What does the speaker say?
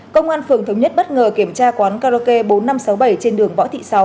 công an phường thống nhất bất ngờ kiểm tra quán karaoke bốn nghìn năm trăm sáu mươi bảy trên đường võ thị sáu